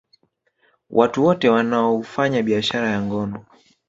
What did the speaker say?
Watu wote wanaoufanya biashara ya ngono